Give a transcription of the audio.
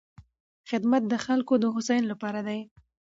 خدمت د خلکو د هوساینې لپاره دی.